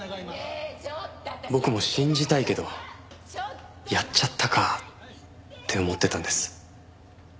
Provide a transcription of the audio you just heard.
僕も信じたいけどやっちゃったかって思ってたんです。